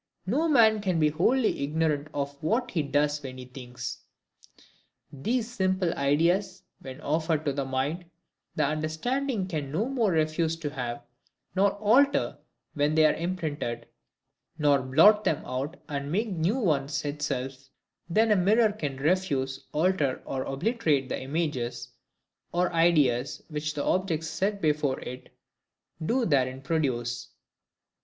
No man can be wholly ignorant of what he does when he thinks. These simple ideas, when offered to the mind, the understanding can no more refuse to have, nor alter when they are imprinted, nor blot them out and make new ones itself, than a mirror can refuse, alter, or obliterate the images or ideas which the objects set before it do therein produce.